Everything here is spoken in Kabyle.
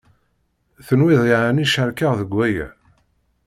Tenwiḍ yeεni cerkeɣ deg aya?